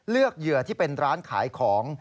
เหยื่อที่เป็นร้านขายของ